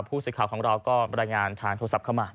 ผู้สื่อข่าวของเราก็บรรยายงานทางโทรศัพท์เข้ามา